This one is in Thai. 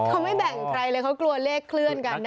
เขาไม่แบ่งใครเลยเขากลัวเลขเคลื่อนกัน